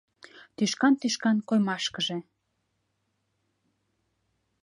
Тӱшкан-тӱшкан коймашкыже